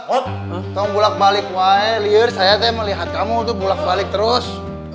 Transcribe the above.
pak kamu berbalik balik saya lihat kamu berbalik balik terus